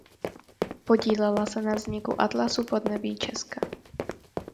Podílela se na vzniku "Atlasu podnebí Česka".